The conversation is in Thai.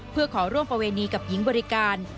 เพื่อขอร่วมประเวณีกับหญิงบริการ